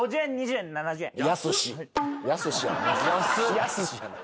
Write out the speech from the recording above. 「やすし」じゃない。